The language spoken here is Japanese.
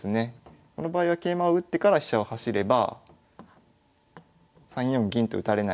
この場合は桂馬を打ってから飛車を走れば３四銀と打たれないようになっているので。